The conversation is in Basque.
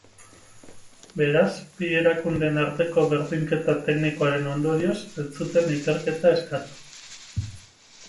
Beraz, bi erakundeen arteko berdinketa teknikoaren ondorioz, ez zuten ikerketa eskatu.